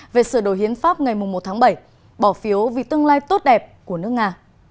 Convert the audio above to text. về sửa đổi hiến pháp ngày một tháng bảy bỏ phiếu vì tương lai tốt đẹp của nước nga